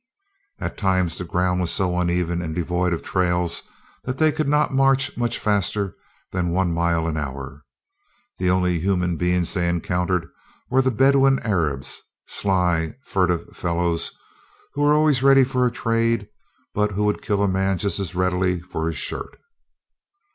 At times the ground was so uneven and devoid of trails, that they could not march much faster than one mile an hour. The only human beings they encountered were the Bedouin Arabs sly, furtive fellows who were always ready for a trade, but who would kill a man just as readily for his shirt.